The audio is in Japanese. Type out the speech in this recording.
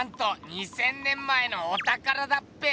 ２，０００年前のおたからだっぺ！